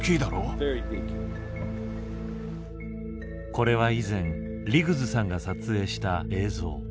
これは以前リグズさんが撮影した映像。